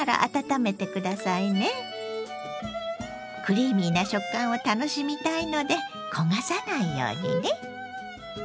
クリーミーな食感を楽しみたいので焦がさないようにね。